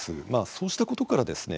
そうしたことからですね